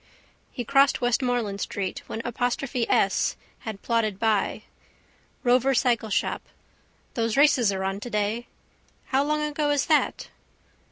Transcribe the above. He crossed Westmoreland street when apostrophe S had plodded by. Rover cycleshop. Those races are on today. How long ago is that?